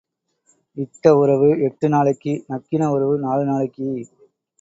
இட்ட உறவு எட்டு நாளைக்கு நக்கின உறவு நாலு நாலைக்கு.